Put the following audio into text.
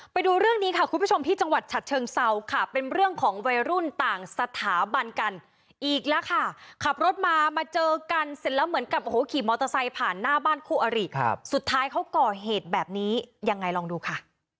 ไปดูเรื่องนี้ค่ะคุณผู้ชมที่จังหวัดฉะเชิงเซาค่ะเป็นเรื่องของวัยรุ่นต่างสถาบันกันอีกแล้วค่ะขับรถมามาเจอกันเสร็จแล้วเหมือนกับโอ้โหขี่มอเตอร์ไซค์ผ่านหน้าบ้านคู่อริสุดท้ายเขาก่อเหตุแบบนี้ยังไงลองดูค่ะ